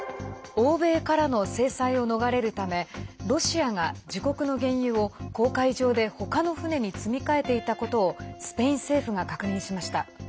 欧米からの制裁を逃れるためロシアが自国の原油を公海上で他の船に積み替えていたことをスペイン政府が確認しました。